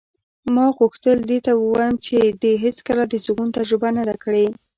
ما غوښتل دې ته ووایم چې دې هېڅکله د زېږون تجربه نه ده کړې.